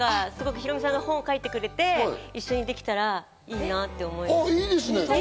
ヒロミさんが本を書いてくれて、一緒にできたらいいなって思います。